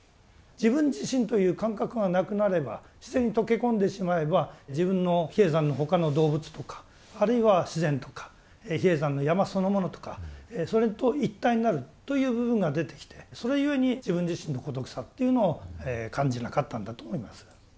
自分自身という感覚がなくなれば自然に溶け込んでしまえば自分の比叡山の他の動物とかあるいは自然とか比叡山の山そのものとかそれと一体になるという部分が出てきてそれゆえに自分自身の孤独さっていうのを感じなかったんだと思います。